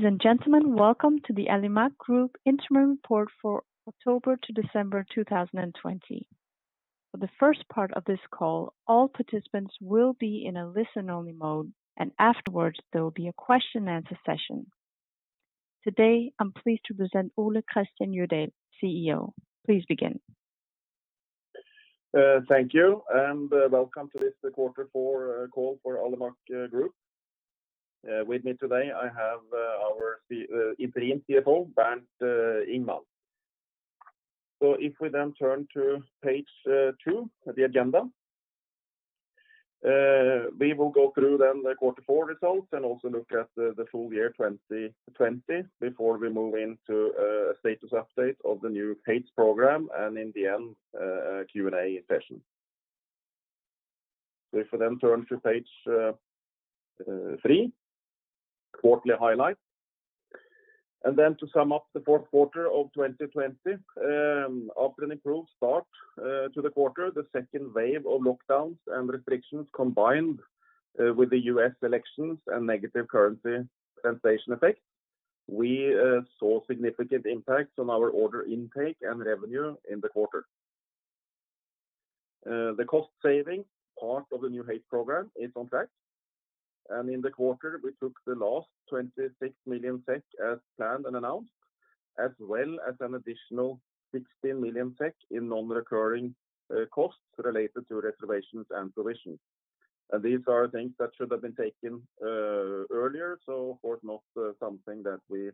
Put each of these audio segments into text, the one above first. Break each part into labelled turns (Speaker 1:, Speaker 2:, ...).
Speaker 1: Ladies and gentlemen, welcome to the Alimak Group interim report for October to December 2020. For the first part of this call, all participants will be in a listen-only mode, and afterwards, there will be a question and answer session. Today, I'm pleased to present Ole Kristian Jødahl, CEO. Please begin.
Speaker 2: Thank you, and welcome to this quarter four call for Alimak Group. With me today I have our Interim CFO, Bernt Ingman. If we turn to page two, the agenda. We will go through then the quarter four results and also look at the full year 2020 before we move into a status update of the New Heights programme and in the end, a Q&A session. If we turn to page three, quarterly highlights. To sum up the fourth quarter of 2020. After an improved start to the quarter, the second wave of lockdowns and restrictions, combined with the U.S. elections and negative currency translation effect, we saw significant impacts on our order intake and revenue in the quarter. The cost-saving part of the New Heights programme is on track, and in the quarter, we took the last 26 million SEK as planned and announced, as well as an additional 16 million SEK in non-recurring costs related to reservations and provisions. These are things that should have been taken earlier, not something that we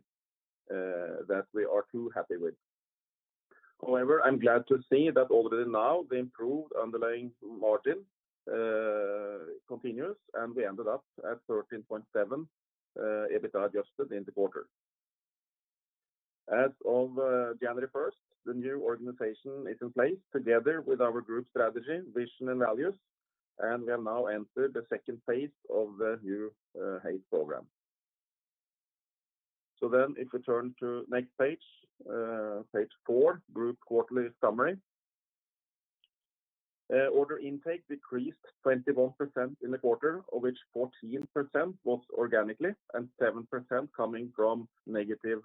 Speaker 2: are too happy with. However, I'm glad to see that already now the improved underlying margin continues, and we ended up at 13.7% adjusted EBITDA in the quarter. As of January 1st, the new organization is in place together with our group strategy, vision, and values, and we have now entered the second phase of the New Heights programme. If we turn to next page four, Group quarterly summary. Order intake decreased 21% in the quarter, of which 14% was organically and 7% coming from negative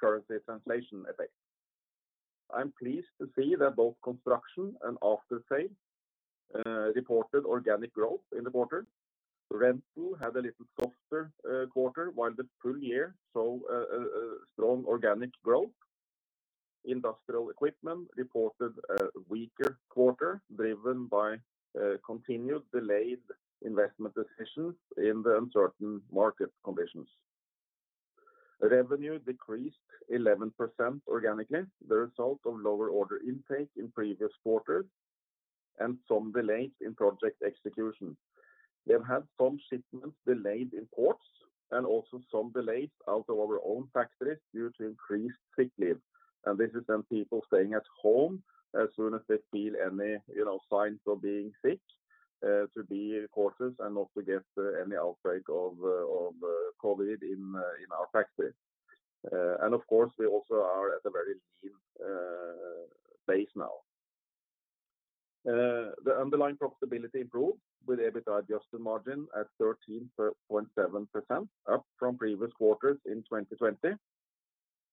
Speaker 2: currency translation effect. I'm pleased to see that both construction and after-sales reported organic growth in the quarter. Rental had a little softer quarter, while the full year saw a strong organic growth. Industrial Equipment reported a weaker quarter, driven by continued delayed investment decisions in the uncertain market conditions. Revenue decreased 11% organically, the result of lower order intake in previous quarters and some delays in project execution. We have had some shipments delayed in ports and also some delays out of our own factories due to increased sick leave. This is then people staying at home as soon as they feel any signs of being sick to be cautious and not to get any outbreak of COVID-19 in our factories. Of course, we also are at a very lean phase now. The underlying profitability improved with adjusted EBITDA margin at 13.7%, up from previous quarters in 2020,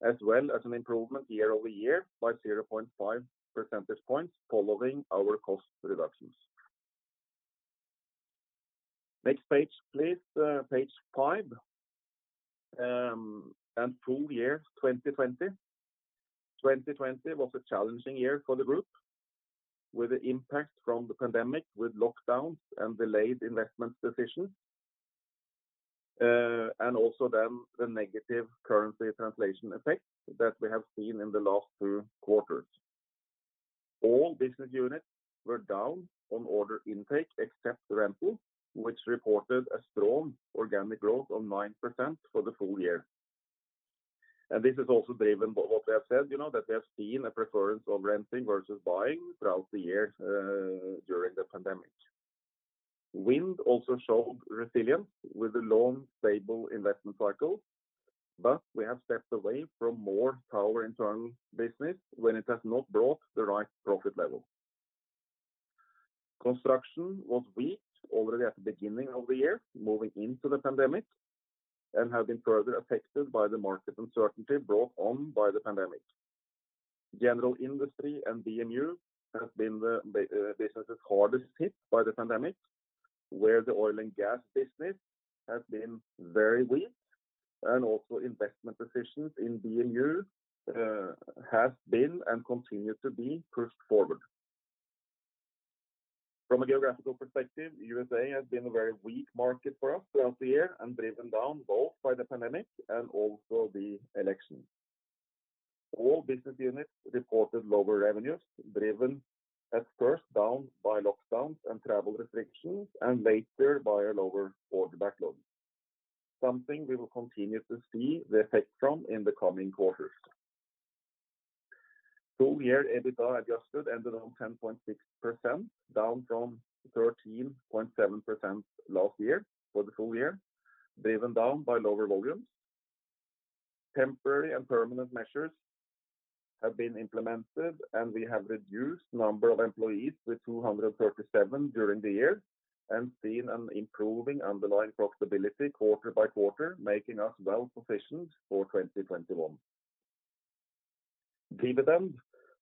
Speaker 2: as well as an improvement year-over-year by 0.5 percentage points following our cost reductions. Next page, please. Page five, full year 2020. 2020 was a challenging year for the group, with the impact from the pandemic with lockdowns and delayed investment decisions, and also then the negative currency translation effect that we have seen in the last two quarters. All business units were down on order intake except rental, which reported a strong organic growth of 9% for the full year. This is also driven by what we have said, that we have seen a preference of renting versus buying throughout the year during the pandemic. Wind also showed resilience with a long, stable investment cycle, but we have stepped away from more tower internal business when it has not brought the right profit level. Construction was weak already at the beginning of the year, moving into the pandemic, and have been further affected by the market uncertainty brought on by the pandemic. General Industry and BMU have been the businesses hardest hit by the pandemic, where the oil and gas business has been very weak, and also investment decisions in BMU has been and continue to be pushed forward. From a geographical perspective, U.S.A. has been a very weak market for us throughout the year and driven down both by the pandemic and also the election. All business units reported lower revenues, driven at first down by lockdowns and travel restrictions, and later by a lower order backlog. Something we will continue to see the effect from in the coming quarters. Full year adjusted EBITDA ended on 10.6%, down from 13.7% last year for the full year, driven down by lower volumes. Temporary and permanent measures have been implemented, and we have reduced number of employees with 237 during the year and seen an improving underlying profitability quarter-by-quarter, making us well positioned for 2021. Dividend: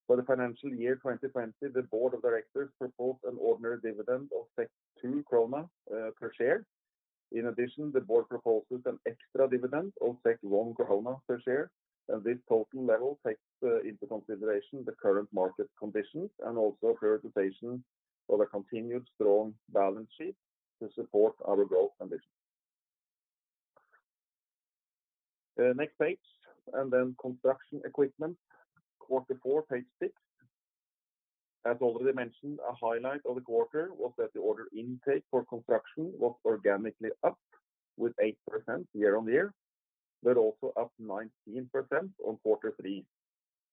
Speaker 2: For the financial year 2020, the Board of Directors proposed an ordinary dividend of 2 krona per share. In addition, the Board proposes an extra dividend of 1 krona per share. This total level takes into consideration the current market conditions and also prioritization for the continued strong balance sheet to support our growth ambitions. Next page. Then Construction Equipment, Q4, page six. As already mentioned, a highlight of the quarter was that the order intake for construction was organically up with 8% year-on-year. Also up 19% on quarter three.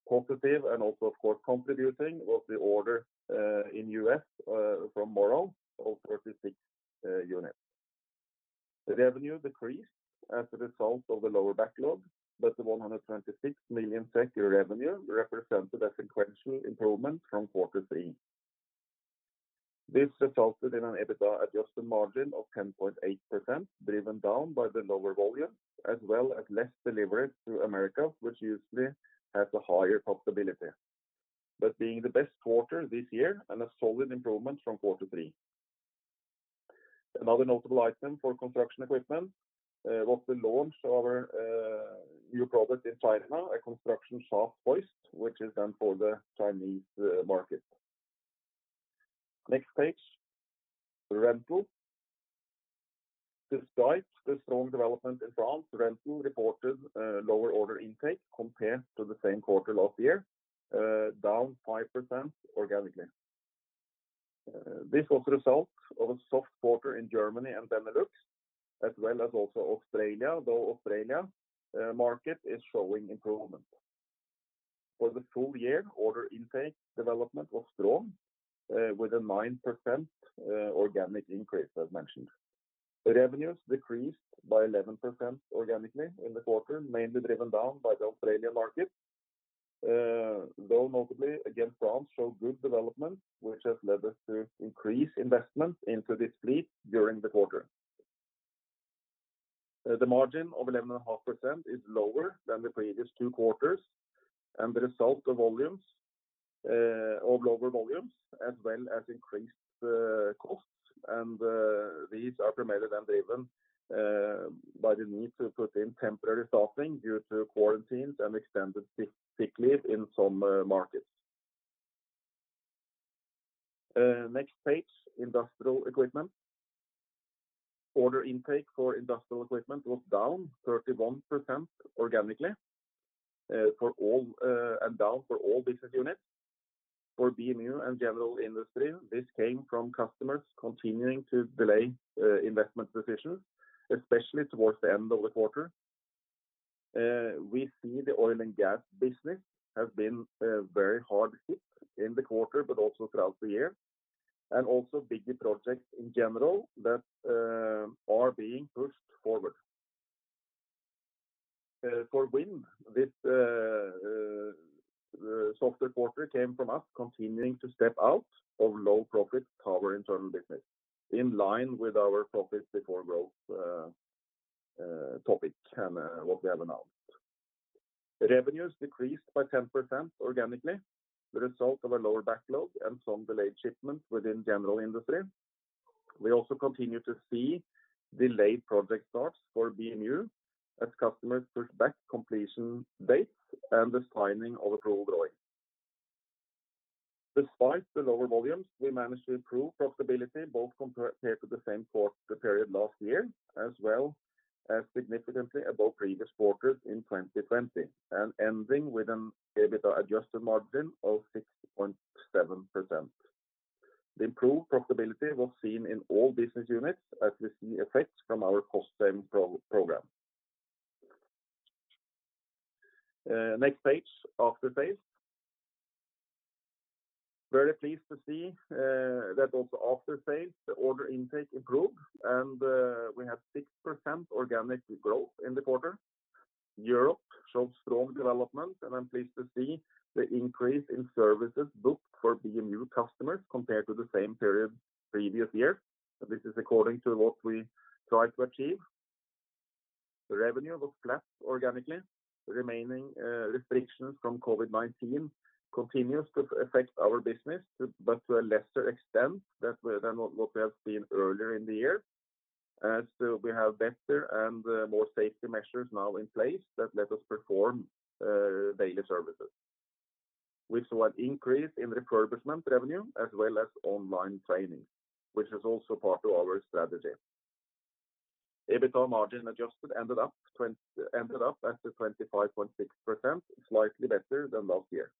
Speaker 2: Positive, also, of course, contributing was the order in U.S. from Morrow Equipment of 36 units. The revenue decreased as a result of the lower backlog, but the 126 million revenue represented a sequential improvement from quarter three. This resulted in an adjusted EBITDA margin of 10.8%, driven down by the lower volume as well as less deliveries to America, which usually has a higher profitability, being the best quarter this year and a solid improvement from quarter three. Another notable item for Construction Equipment was the launch of our new product in China, a construction shaft hoist, which is done for the Chinese market. Next page, Rental. Despite the strong development in France, Rental reported lower order intake compared to the same quarter last year, down 5% organically. This was a result of a soft quarter in Germany and Benelux, as well as also Australia, though Australia market is showing improvement. For the full year, order intake development was strong with a 9% organic increase, as mentioned. Revenues decreased by 11% organically in the quarter, mainly driven down by the Australian market, though notably, again, France showed good development, which has led us to increase investment into this fleet during the quarter. The margin of 11.5% is lower than the previous two quarters, and the result of lower volumes as well as increased costs, and these are primarily then driven by the need to put in temporary staffing due to quarantines and extended sick leave in some markets. Next page, Industrial Equipment. Order intake for Industrial Equipment was down 31% organically and down for all business units. For BMU and General Industry, this came from customers continuing to delay investment decisions, especially towards the end of the quarter. We see the oil and gas business has been very hard hit in the quarter, but also throughout the year. Also bigger projects in general that are being pushed forward. For Wind, this softer quarter came from us continuing to step out of low-profit tower internal business in line with our profit before growth topic and what we have announced. Revenues decreased by 10% organically, the result of a lower backlog and some delayed shipments within General Industry. We also continue to see delayed project starts for BMU as customers push back completion dates and the signing of approval drawings. Despite the lower volumes, we managed to improve profitability both compared to the same quarter period last year as well as significantly above previous quarters in 2020, and ending with an adjusted EBITDA margin of 6.7%. The improved profitability was seen in all business units as we see effects from our cost-saving program. Next page, After Sales. Very pleased to see that also after sales, the order intake improved, and we had 6% organic growth in the quarter. Europe showed strong development, and I'm pleased to see the increase in services booked for BMU customers compared to the same period previous year. This is according to what we tried to achieve. Revenue was flat organically. Remaining restrictions from COVID-19 continues to affect our business, but to a lesser extent than what we have seen earlier in the year as we have better and more safety measures now in place that let us perform daily services. We saw an increase in refurbishment revenue as well as online training, which is also part of our strategy. EBITDA margin adjusted ended up at 25.6%, slightly better than last year.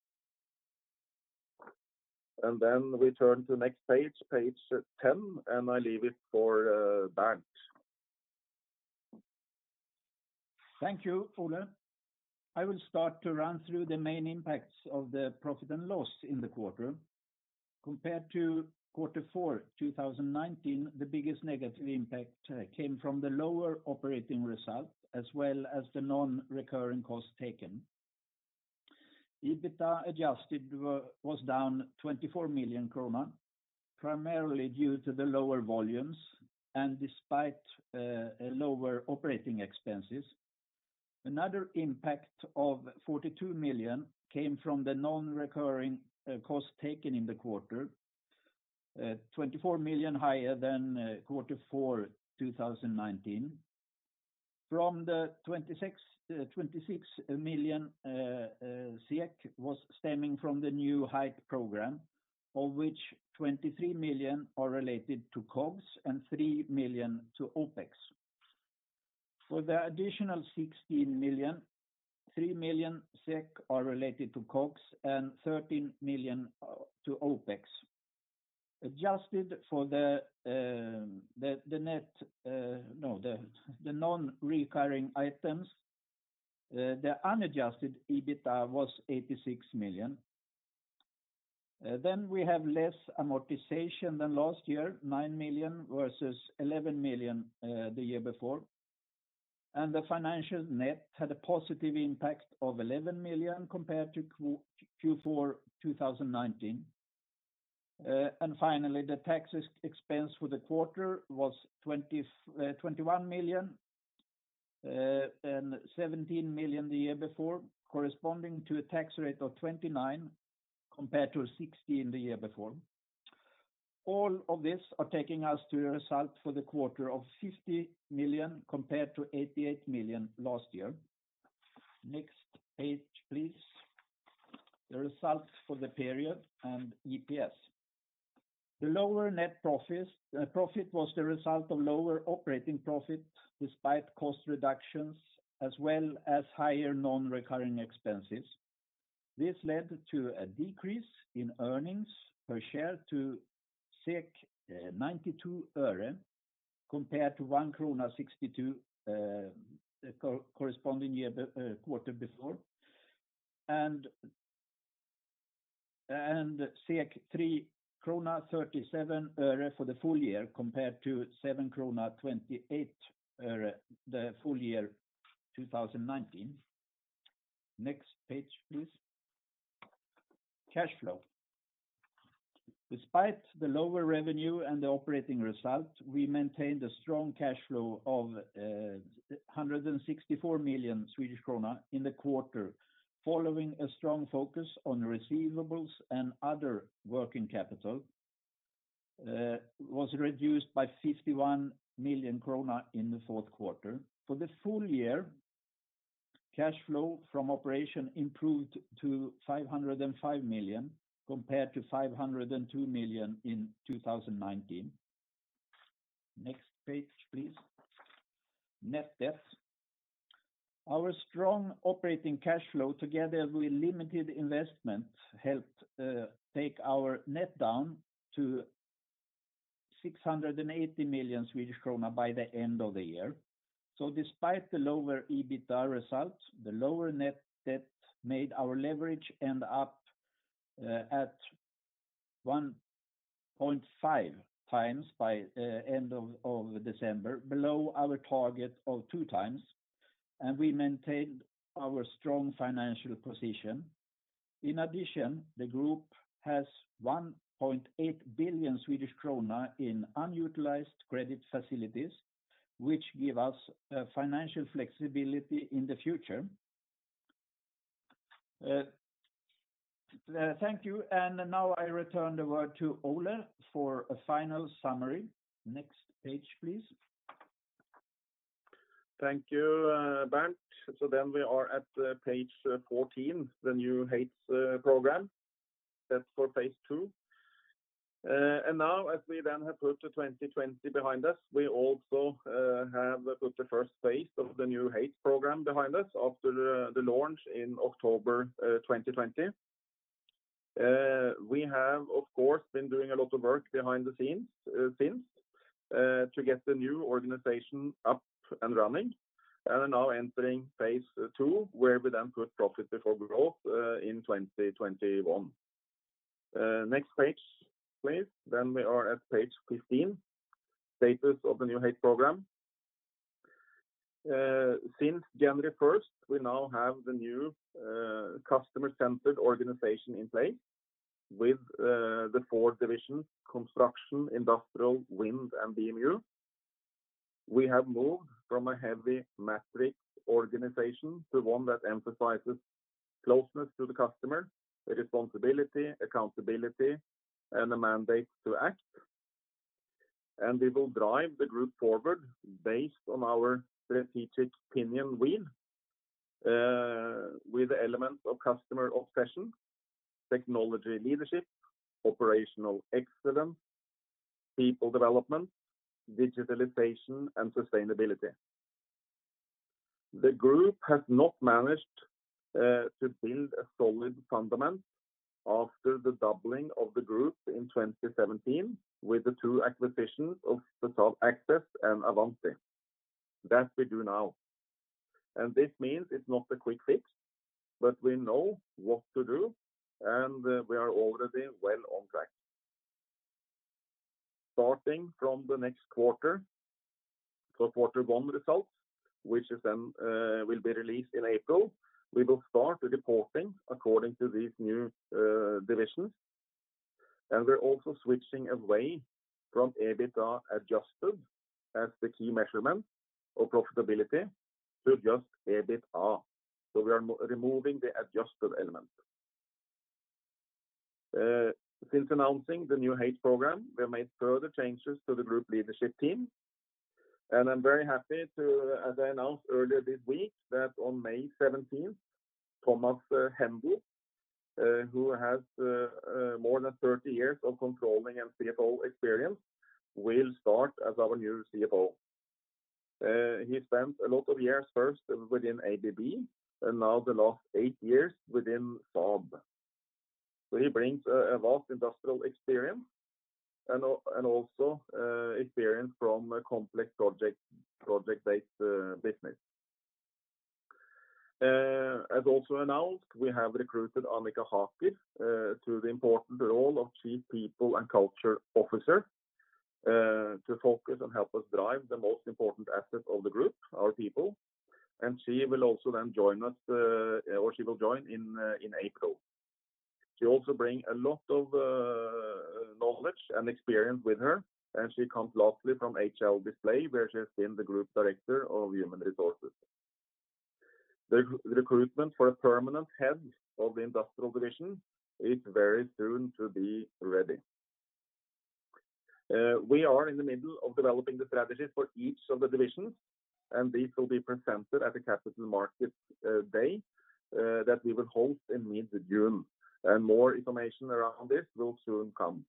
Speaker 2: Then we turn to the next page 10, and I leave it for Bernt.
Speaker 3: Thank you, Ole. I will start to run through the main impacts of the profit and loss in the quarter. Compared to quarter four 2019, the biggest negative impact came from the lower operating result, as well as the non-recurring costs taken. Adjusted EBITDA was down 24 million kronor, primarily due to the lower volumes and despite lower operating expenses. Another impact of 42 million came from the non-recurring cost taken in the quarter, 24 million higher than quarter four 2019. From the 26 million was stemming from the New Heights programme, of which 23 million are related to COGS and 3 million to OpEx. For the additional 16 million, 3 million SEK are related to COGS and 13 million to OpEx. Adjusted for the non-recurring items, the unadjusted EBITDA was 86 million. We have less amortization than last year, 9 million versus 11 million the year before. The financial net had a positive impact of SEK 11 million compared to Q4 2019. Finally, the tax expense for the quarter was 21 million, and 17 million the year before, corresponding to a tax rate of 29% compared to 60% in the year before. All of these are taking us to a result for the quarter of 50 million compared to 88 million last year. Next page, please. The results for the period and EPS. The lower net profit was the result of lower operating profit despite cost reductions, as well as higher non-recurring expenses. This led to a decrease in earnings per share to SEK 0.92 compared to 1.62 krona corresponding quarter before. 3.37 for the full year compared to 7.28 krona the full year 2019. Next page, please. Cash flow. Despite the lower revenue and the operating result, we maintained a strong cash flow of 164 million Swedish krona in the quarter, following a strong focus on receivables and other working capital, was reduced by 51 million krona in the fourth quarter. For the full year, cash flow from operation improved to 505 million compared to 502 million in 2019. Next page, please. Net debt: Our strong operating cash flow, together with limited investment, helped take our net down to 680 million Swedish krona by the end of the year. Despite the lower EBITDA results, the lower net debt made our leverage end up at 1.5x by end of December, below our target of 2x, and we maintained our strong financial position. In addition, the group has 1.8 billion Swedish krona in unutilized credit facilities, which gives us financial flexibility in the future. Thank you. Now I return the word to Ole for a final summary. Next page, please.
Speaker 2: Thank you, Bernt. We are at page 14, the New Heights programme. That's for Phase Two. Now as we then have put 2020 behind us, we also have put the first phase of the New Heights programme behind us after the launch in October 2020. We have, of course, been doing a lot of work behind the scenes since to get the new organization up and running, and are now entering Phase Two, where we then put profit before growth in 2021. Next page, please. We are at page 15, status of the New Heights programme. Since January 1st, we now have the new customer-centered organization in place with the four divisions: Construction, Industrial, Wind, and BMU. We have moved from a heavy matrix organization to one that emphasizes closeness to the customer, responsibility, accountability, and a mandate to act. We will drive the group forward based on our strategic pinion wheel with the elements of customer obsession, technology leadership, operational excellence, people development, digitalization, and sustainability. The group has not managed to build a solid fundament after the doubling of the group in 2017 with the two acquisitions of the top Facade Access Group and Avanti Wind Systems. That we do now. This means it's not a quick fix, but we know what to do, and we are already well on track. Starting from the next quarter, so quarter one results, which will be released in April, we will start reporting according to these new divisions. We're also switching away from adjusted EBITDA as the key measurement of profitability to just EBITDA. We are removing the adjusted element. Since announcing the New Heights programme, we have made further changes to the group leadership team, and I'm very happy to announce earlier this week that, on May 17th, Thomas Hendel, who has more than 30 years of controlling and CFO experience, will start as our new CFO. He spent a lot of years first within ABB and now the last eight years within Saab. He brings a vast industrial experience and also experience from a complex project-based business. As also announced, we have recruited Annika Haaker to the important role of Chief People and Culture Officer, to focus and help us drive the most important asset of the group, our people, and she will also then join us, or she will join in April. She also bring a lot of knowledge and experience with her, and she comes lastly from HL Display, where she has been the Group Director of Human Resources. The recruitment for a permanent Head of the Industrial Division is very soon to be ready. We are in the middle of developing the strategy for each of the divisions, and these will be presented at the Capital Market Day that we will hold in mid-June. More information around this will soon come.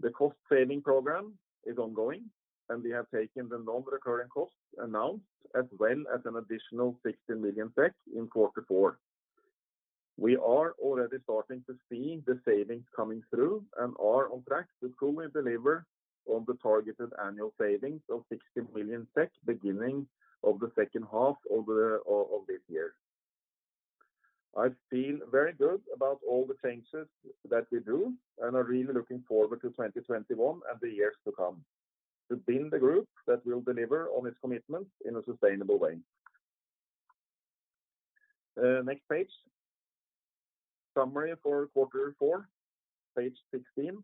Speaker 2: The cost-saving program is ongoing, and we have taken the non-recurring costs announced, as well as an additional 60 million in quarter four. We are already starting to see the savings coming through and are on track to fully deliver on the targeted annual savings of 16 million SEK beginning of the second half of this year. I feel very good about all the changes that we do and are really looking forward to 2021 and the years to come to build a group that will deliver on its commitments in a sustainable way. Next page. Summary for quarter four, page 16.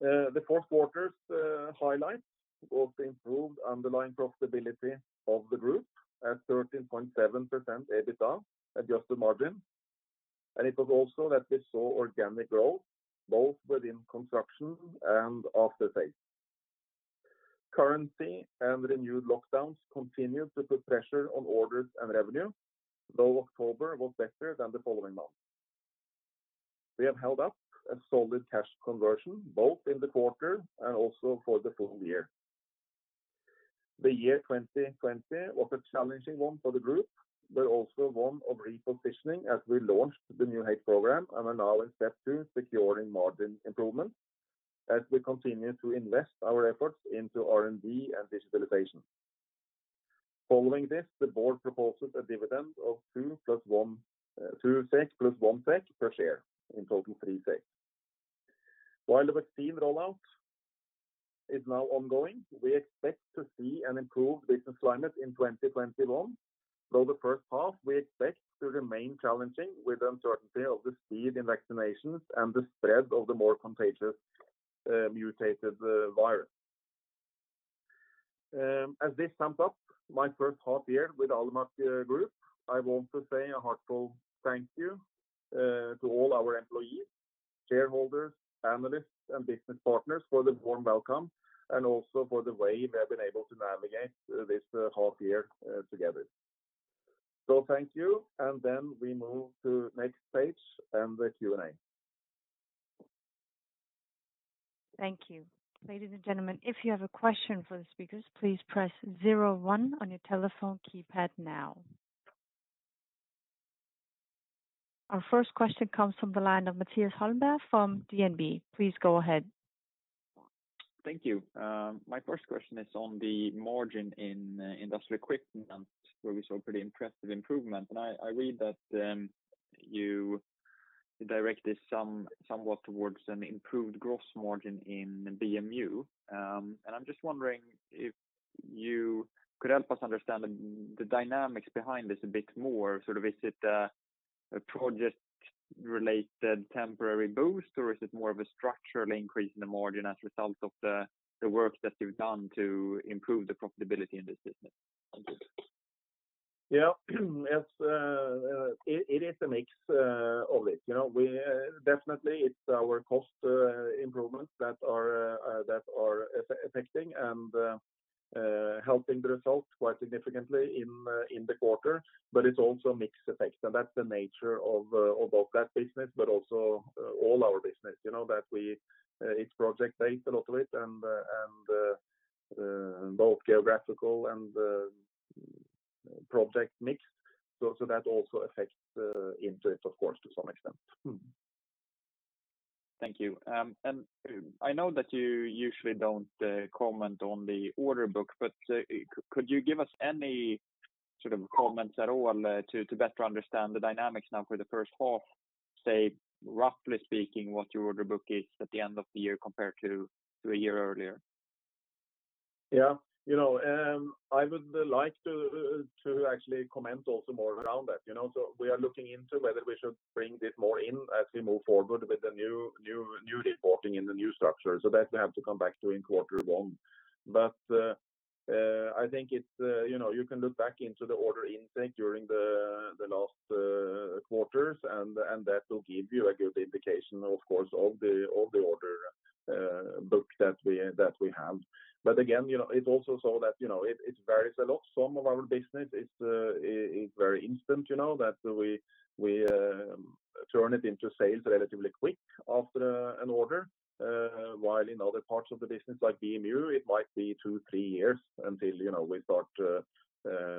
Speaker 2: The fourth quarter's highlights was the improved underlying profitability of the group at 13.7% adjusted EBITDA margin. It was also that we saw organic growth both within Construction and After Sales. Currency and renewed lockdowns continued to put pressure on orders and revenue, though October was better than the following months. We have held up a solid cash conversion both in the quarter and also for the full year. The year 2020 was a challenging one for the group, but also one of repositioning as we launched the New Heights programme and are now in step two, securing margin improvements as we continue to invest our efforts into R&D and digitalization. Following this, the board proposes a dividend of 2 + 1 SEK per share, in total 3 SEK. The vaccine rollout is now ongoing, we expect to see an improved business climate in 2021, though the first half we expect to remain challenging with uncertainty of the speed in vaccinations and the spread of the more contagious mutated virus. As this sums up my first half year with Alimak Group, I want to say a heartfelt thank you to all our employees, shareholders, analysts, and business partners for the warm welcome and also for the way we have been able to navigate this half year together. Thank you. We move to next page and the Q&A.
Speaker 1: Thank you. Our first question comes from the line of Mattias Holmberg from DNB. Please go ahead.
Speaker 4: Thank you. My first question is on the margin in Industrial Equipment, where we saw pretty impressive improvement. I read that you directed somewhat towards an improved gross margin in BMU. I'm just wondering if you could help us understand the dynamics behind this a bit more. Is it a project-related temporary boost, or is it more of a structural increase in the margin as a result of the work that you've done to improve the profitability in this business? Thank you.
Speaker 2: Yeah. It is a mix of it. Definitely it's our cost improvements that are affecting and helping the results quite significantly in the quarter, but it's also a mix effect. That's the nature of both that business, but also all our business. It's project-based, a lot of it, and both geographical and project mix. That also affects into it, of course, to some extent.
Speaker 4: Thank you. I know that you usually don't comment on the order book, but could you give us any comments at all to better understand the dynamics now for the first half? Say, roughly speaking, what your order book is at the end of the year compared to a year earlier?
Speaker 2: Yeah. I would like to actually comment also more around that. We are looking into whether we should bring this more in as we move forward with the new reporting in the new structure. That we have to come back to in quarter one. I think you can look back into the order intake during the last quarters, and that will give you a good indication, of course, of the order book that we have. Again, it also varies a lot. Some of our business is very instant, that we turn it into sales relatively quick after an order. While in other parts of the business, like BMU, it might be two, three years until we start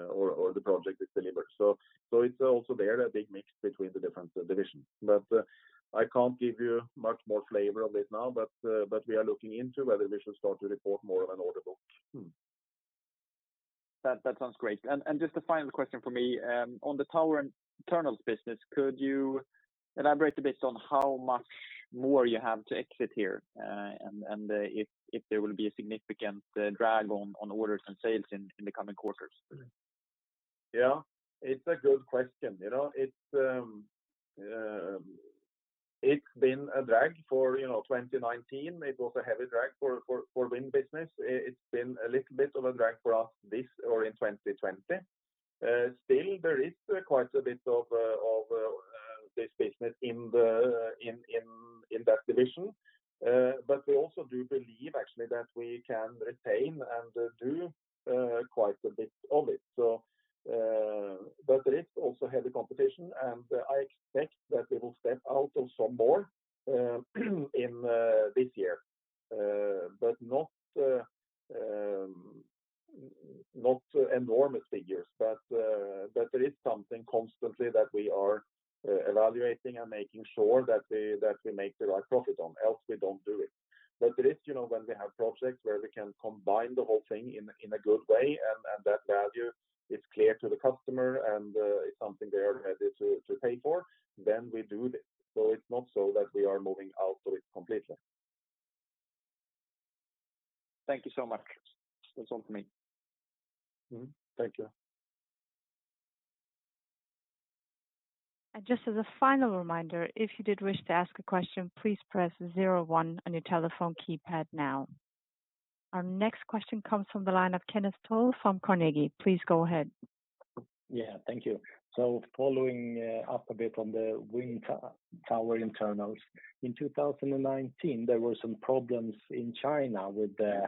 Speaker 2: or the project is delivered. It's also there a big mix between the different divisions. I can't give you much more flavor of it now, but we are looking into whether we should start to report more of an order book.
Speaker 4: That sounds great. Just the final question from me, on the tower and internals business, could you elaborate a bit on how much more you have to exit here, and if there will be a significant drag on orders and sales in the coming quarters?
Speaker 2: Yeah. It's a good question. It's been a drag for 2019. It was a heavy drag for Wind business. It's been a little bit of a drag for us this or in 2020. There is quite a bit of this business in that division. We also do believe, actually, that we can retain and do quite a bit of it. There is also heavy competition, and I expect that we will step out on some more in this year. Not enormous figures. There is something constantly that we are evaluating and making sure that we make the right profit on, else we don't do it. There is, when we have projects where we can combine the whole thing in a good way, and that value is clear to the customer, and it's something they are ready to pay for, then we do it. It's not so that we are moving out of it completely.
Speaker 4: Thank you so much. That's all for me.
Speaker 2: Thank you.
Speaker 1: Just as a final reminder, if you did wish to ask a question, please press zero one on your telephone keypad now. Our next question comes from the line of Kenneth Toll from Carnegie. Please go ahead.
Speaker 5: Thank you. Following up a bit on the Wind tower internals. In 2019, there were some problems in China with the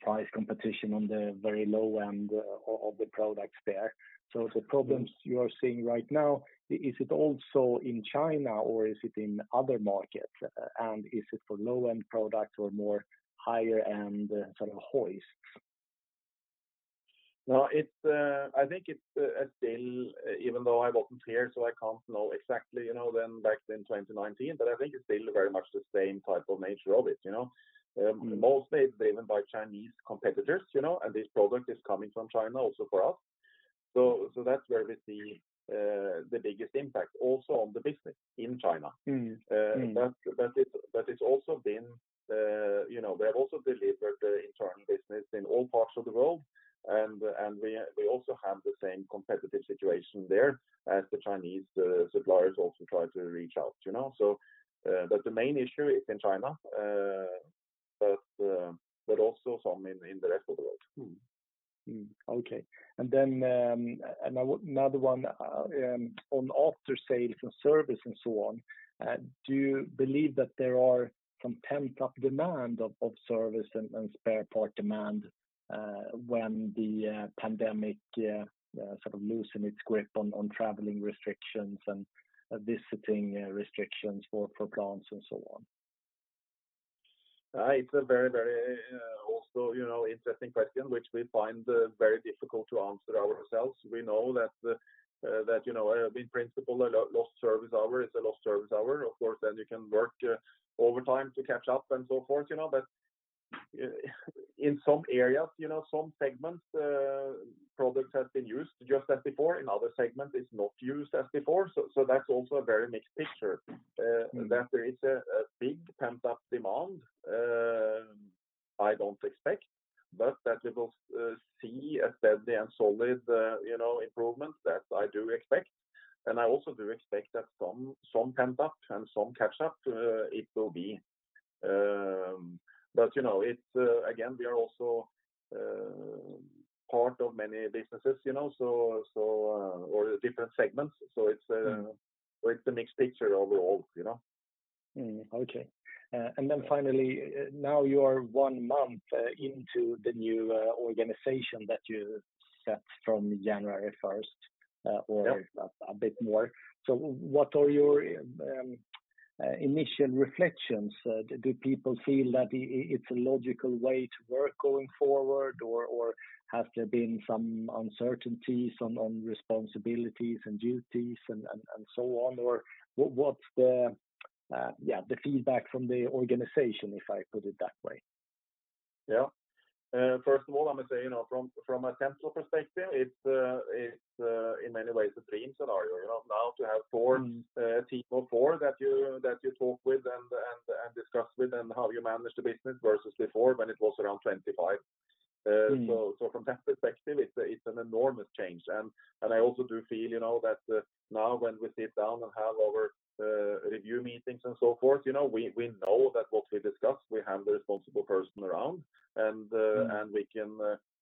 Speaker 5: price competition on the very low end of the products there. The problems you are seeing right now, is it also in China or is it in other markets? Is it for low-end products or more higher-end hoists?
Speaker 2: I think it's still, even though I wasn't here, so I can't know exactly. Then, back in 2019, I think it's still very much the same type of nature of it. Mostly it's driven by Chinese competitors, and this product is coming from China also for us. That's where we see the biggest impact, also on the business in China. They have also delivered the internal business in all parts of the world, and we also have the same competitive situation there, as the Chinese suppliers also try to reach out. The main issue is in China, but also some in the rest of the world.
Speaker 5: Okay. Another one on after-sales, from service, and so on. Do you believe that there are some pent-up demand of services and spare parts demand when the pandemic loosens its grip on traveling restrictions and visiting restrictions for plants and so on?
Speaker 2: It's also a very interesting question, which we find very difficult to answer ourselves. We know that in principle, a lost service hour is a lost service hour. Of course, you can work overtime to catch up and so forth. In some areas, some segments, products have been used just as before. In other segments, it's not used as before. That's also a very mixed picture. That there is a big pent-up demand, I don't expect. That we will see a steady and solid improvement, that I do expect. I also do expect that some pent-up and some catch-up it will be. Again, we are also part of many businesses or different segments; it's a mixed picture overall.
Speaker 5: Okay. Finally, now you are one month into the new organization that you set from January 1st.
Speaker 2: Yeah.
Speaker 5: Or a bit more. What are your initial reflections? Do people feel that it's a logical way to work going forward, or has there been some uncertainties on responsibilities and duties and so on? What's the feedback from the organization, if I put it that way?
Speaker 2: Yeah. First of all, I must say, from a central perspective, it's in many ways a dream scenario. Now to have four people that you talk with and discuss with on how you manage the business, versus before when it was around 25. From that perspective, it's an enormous change. I also do feel that now, when we sit down and have our review meetings and so forth, we know that what we discuss, we have the responsible person around, and we can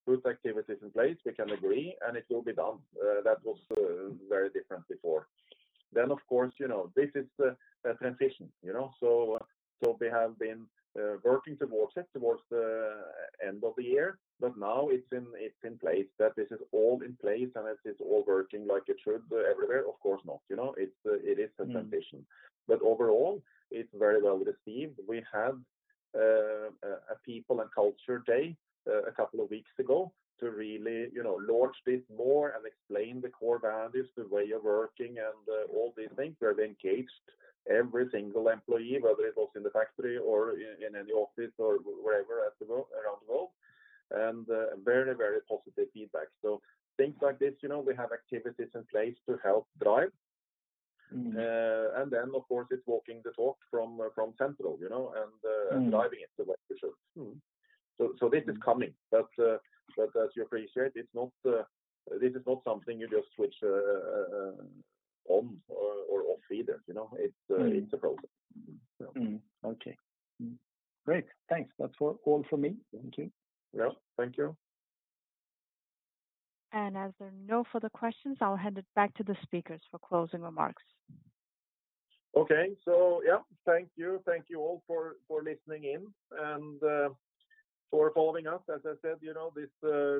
Speaker 2: put activities in place, we can agree, and it will be done. That was very different before. Of course, this is the transition. We have been working towards it towards the end of the year, but now it's in place, that this is all in place and it is all working like it should everywhere. Of course not. It is a transition. Overall, it's very well received. We had a People and Culture Day a couple of weeks ago to really launch this more and explain the core values, the way of working, and all these things, where they engaged every single employee, whether it was in the factory or in any office or wherever around the world, and received very positive feedback. Things like this, we have activities in place to help drive. Of course, it's walking the talk from central, and driving it the way it should. This is coming, but as you appreciate, this is not something you just switch on or off, either. It's a process.
Speaker 5: Okay. Great. Thanks. That's all from me. Thank you.
Speaker 2: Yeah. Thank you.
Speaker 1: As there are no further questions, I'll hand it back to the speakers for closing remarks.
Speaker 2: Okay. Yeah. Thank you. Thank you all for listening in and for following us, as I said, this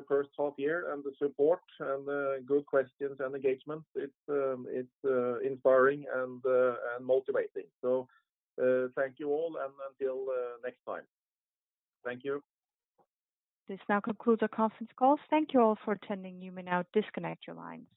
Speaker 2: first half year, and the support, and the good questions, and engagement. It's inspiring and motivating. Thank you all, and until next time. Thank you.
Speaker 1: This now concludes our conference call. Thank you all for attending. You may now disconnect your lines.